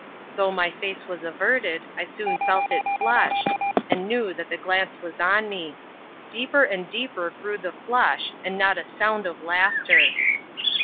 Though my face was averted, I soon felt it flush, and knew that the glance was on me : deeper and deeper grew the flush, and not a sound of laughter.